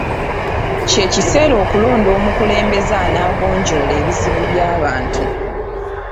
Ky'ekiseera okulonda omukulembeze anaagonjoola ebizibu by'abantu.